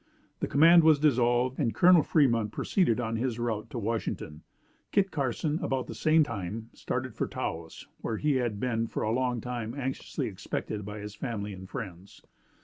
The command was dissolved, and Colonel Fremont proceeded on his route to Washington. Kit Carson, about the same time, started for Taos, where he had been for a long time anxiously expected by his family and friends.